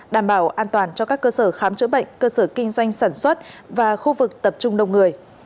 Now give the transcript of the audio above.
đảm bảo an toàn cho các cơ sở khám chữa bệnh cơ sở kinh doanh sản xuất và khu vực tập trung đông người